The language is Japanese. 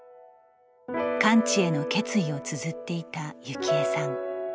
完治への決意をつづっていた幸江さん。